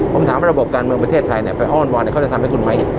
ผมถามว่าระบบการเมืองประเทศไทยไปอ้อนวอนเขาจะทำให้คุณไหม